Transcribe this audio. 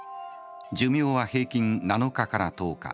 寿命は平均７日から１０日。